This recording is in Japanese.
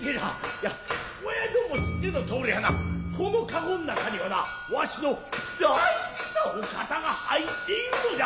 イヤおやじどんも知っての通りやな此の駕ん中にはなわしの大事なお方が入っているのじゃ。